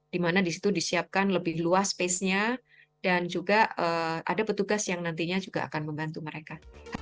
di mana di situ disiapkan lebih luas space nya dan juga ada petugas yang nantinya juga akan membantu mereka